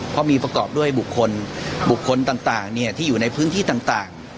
เพราะมีประกอบด้วยบุคคลบุคคลต่างที่อยู่ในพื้นที่ต่าง